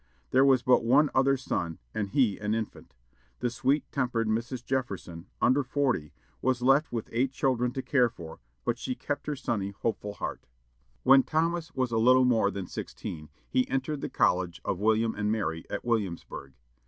There was but one other son, and he an infant. The sweet tempered Mrs. Jefferson, under forty, was left with eight children to care for; but she kept her sunny, hopeful heart. When Thomas was a little more than sixteen, he entered the college of William and Mary, at Williamsburg.